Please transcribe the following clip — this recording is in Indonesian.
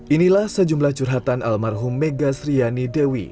inilah sejumlah curhatan almarhum megha sryani dewi